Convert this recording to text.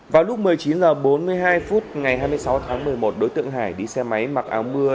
vào lúc một mươi chín h bốn mươi hai phút ngày hai mươi sáu tháng một mươi một đối tượng hải đi xe máy mặc áo mưa